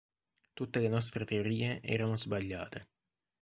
Tutte le nostre teorie erano sbagliate.